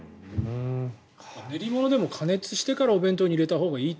練り物でも加熱してからお弁当に入れたほうがいいと。